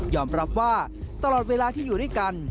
รับว่าตลอดเวลาที่อยู่ด้วยกัน